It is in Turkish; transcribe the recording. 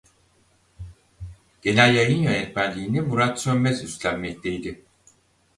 Genel yayın yönetmenliğini Murat Sönmez üstlenmekteydi.